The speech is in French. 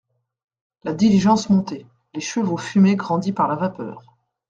La diligence montait ; les chevaux fumaient grandis par la vapeur.